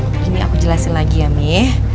begini aku jelasin lagi ya me